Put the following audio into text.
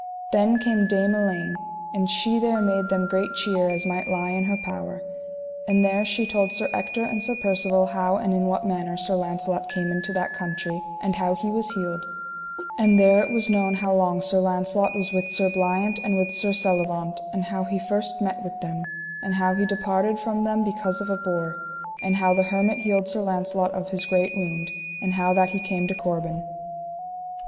Then came Dame Elaine and she there made them great cheer as might lie in her power; and there she told Sir Ector and Sir Percivale how and in what manner Sir Launcelot came into that country, and how he was healed; and there it was known how long Sir Launcelot was with Sir Bliant and with Sir Selivant, and how he first met with them, and how he departed from them because of a boar; and how the hermit healed Sir Launcelot of his great wound, and how that he came to Corbin.